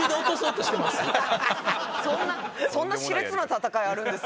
そんなそんな熾烈な戦いあるんですか？